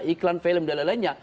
iklan film dan lain lainnya